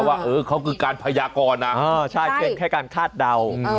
ว่าเขาก็คือการพยากรใช่แค่การคาดเดา